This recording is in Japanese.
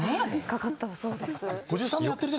かかったそうです。